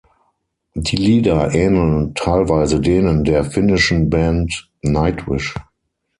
Die Lieder ähneln teilweise denen der finnischen Band Nightwish.